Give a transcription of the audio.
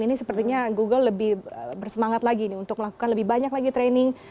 ini sepertinya google lebih bersemangat lagi nih untuk melakukan lebih banyak lagi training